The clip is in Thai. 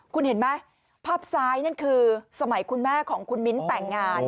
คุณเห็นไหมภาพซ้ายนั่นคือสมัยคุณแม่ของคุณมิ้นแต่งงาน